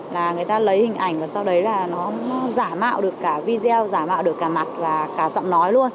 là người ta lấy hình ảnh và sau đấy là nó giả mạo được cả video giả mạo được cả mặt và cả giọng nói luôn